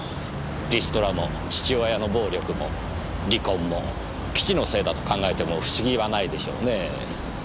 リストラも父親の暴力も離婚も基地のせいだと考えても不思議はないでしょうねぇ。